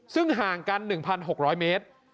ซึ่งห่างกัน๑๖๐๐เมตร